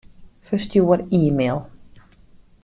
Ferstjoer e-mail.